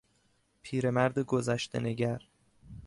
پیرمرد گذشتهنگر